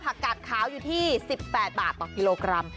กาดขาวอยู่ที่๑๘บาทต่อกิโลกรัม